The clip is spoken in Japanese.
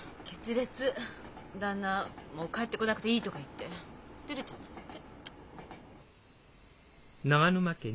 「もう帰ってこなくていい」とか言って出てっちゃったんだって。